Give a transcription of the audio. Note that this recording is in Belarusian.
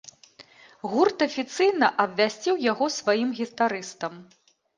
Гурт афіцыйна абвясціў яго сваім гітарыстам.